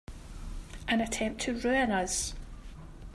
An attempt to ruin us!